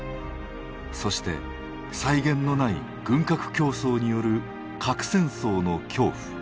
そして際限のない軍拡競争による核戦争の恐怖。